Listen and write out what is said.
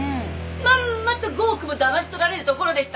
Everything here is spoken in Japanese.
まんまと５億もだまし取られるところでした。